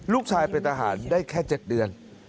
ลูกชายเป็นทหารได้แค่๗เดือน